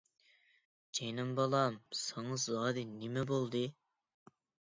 جېنىم بالام، ساڭا زادى نېمە بولدى؟